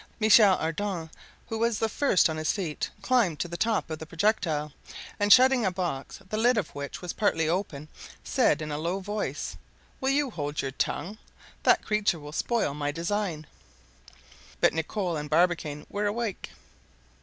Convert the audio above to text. Michel Ardan, who was the first on his feet, climbed to the top of the projectile, and shutting a box, the lid of which was partly open, said in a low voice, "Will you hold your tongue? That creature will spoil my design!" But Nicholl and Barbicane were awake.